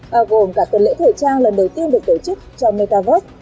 bao gồm cả tuần lễ thời trang lần đầu tiên được tổ chức cho mecavot